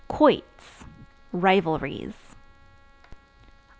Quoits Rivalries.